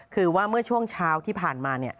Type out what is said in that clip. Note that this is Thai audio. คือว่าเมื่อช่วงเช้าที่ผ่านมา